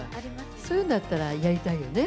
そういうんだったら、やりたいよね。